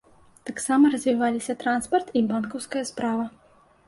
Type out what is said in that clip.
Таксама развіваліся транспарт і банкаўская справа.